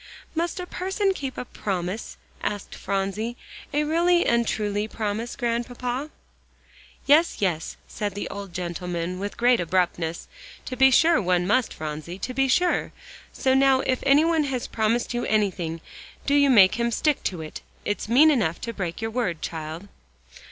"Must a person keep a promise?" asked Phronsie, "a really and truly promise, Grandpapa?" "Yes, yes," said the old gentleman with great abruptness, "to be sure one must, Phronsie. To be sure. So now if any one has promised you anything, do you make him stick to it. It's mean enough to break your word, child."